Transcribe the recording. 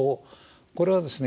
これはですね